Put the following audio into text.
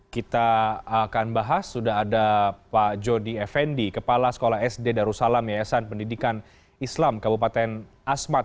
kita akan bahas sudah ada pak jody effendi kepala sekolah sd darussalam yayasan pendidikan islam kabupaten asmat